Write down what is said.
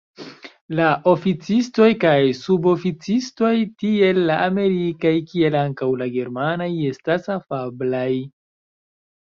La oficistoj kaj suboficistoj, tiel la amerikaj kiel ankaŭ la germanaj, estas afablaj.